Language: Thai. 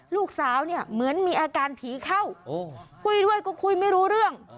ลูกสาวเนี่ยเหมือนมีอาการผีเข้าคุยด้วยก็คุยไม่รู้เรื่อง